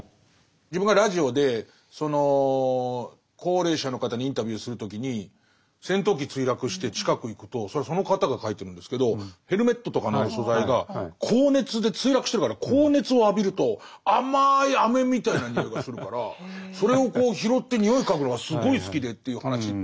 自分がラジオでその高齢者の方にインタビューする時に戦闘機墜落して近く行くとそれはその方が書いてるんですけどヘルメットとかの素材が高熱で墜落してるから高熱を浴びると甘いあめみたいな匂いがするからそれをこう拾って匂い嗅ぐのがすごい好きでっていう話って。